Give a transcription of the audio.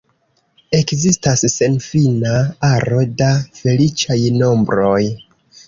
Ekzistas senfina aro da feliĉaj nombroj.